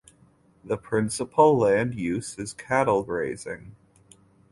The principal land use is cattle grazing.